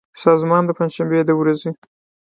سازمان د پنجشنبې د ورځې